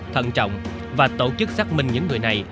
thận trọng và tổ chức xác minh những người này